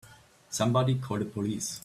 Somebody call the police!